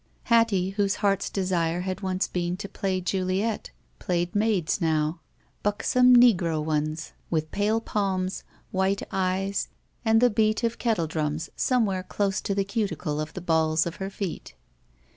Hattie, whose heart's desire had once been to play Juliet, played maids now. Buxom negro ones, I4S ft THE SMUDGE with pale palms, white eyes, and the beat of kettle^ drums somewhere dose to the cuticle of the balls of her feet.